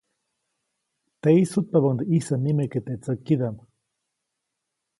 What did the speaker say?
Teʼis sutpabäʼis ʼyisä nimeke teʼ tsäkidaʼm.